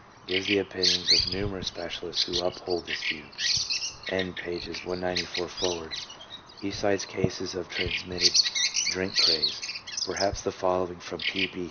gives the opinions of numerous specialists who uphold this view, and, pp. I94f., he cites cases of transmitted drink craze. Perhaps the following from T. B.